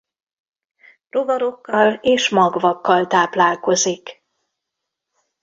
Rovarokkal és magvakkal táplálkozik.